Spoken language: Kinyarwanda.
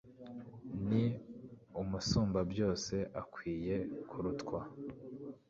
ni umusumbabyose akwiye kuratwa